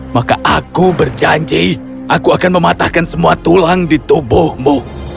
maka aku berjanji aku akan mematahkan semua tulang di tubuhmu